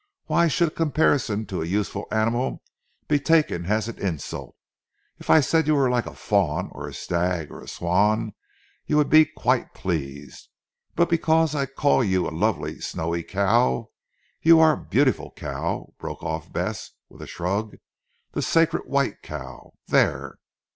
"Why should a comparison to a useful animal be taken as an insult? If I said you were like a fawn, or a stag, or a swan, you would be quite pleased. But because I call you a lovely snowy cow you are a beautiful cow," broke off Bess with a shrug, "the sacred white cow. There!"